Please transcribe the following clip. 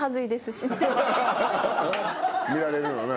見られるのな。